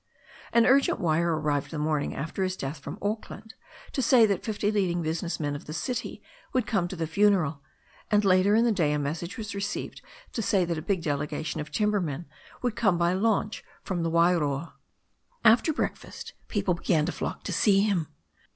An urgent wire arrived the morn ing after his death from Auckland to say that fifty leading business men of the city would come to the funeral, and later in the day a message was received to say that a big delegation of timber men would come by launch from the Wairoa. After breakfast people began to flock to see him.